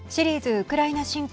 ウクライナ侵攻